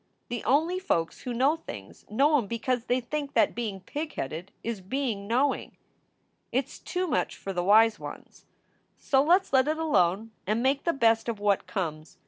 The only folks who know things know em because they think that being pig headed is being knowing. It s too much for the wise ones. So let s SOULS FOR SALE 399 let it alone and make the best of what comes.